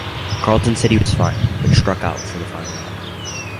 Carlton said he was fine, but struck out for the final out.